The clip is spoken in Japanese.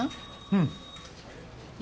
うん。